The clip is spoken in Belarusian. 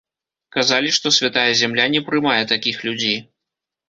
Казалі, што святая зямля не прымае такіх людзей.